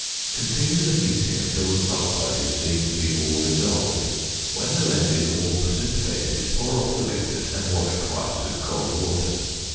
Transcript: Continue the heating until the sulphide is seen to be all dissolved; when the lead is all precipitated, pour off the liquid and wash twice with cold water.